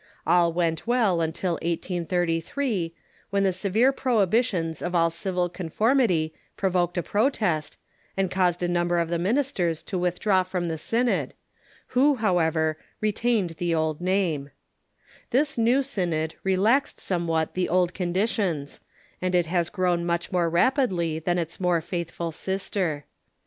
All went well until 1833, when the severe prohibitions of all civil con formity provoked a protest, and caused a number of the min isters to withdraw from the Synod, avIio, however, retained the 668 THE CHUKCIl IX THE UNITED STATES old name. This new Synod relaxed somewhat the old condi tions, and it has grown much more rapidly than its more faithful sister.